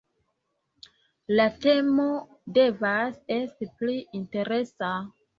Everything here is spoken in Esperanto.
La temo devas esti pli interesa.